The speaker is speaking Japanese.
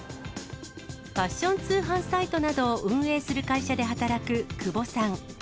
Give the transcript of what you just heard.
ファッション通販サイトなどを運営する会社で働く久保さん。